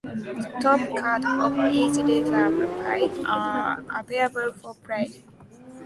The top cards of each reserve pile are available for play.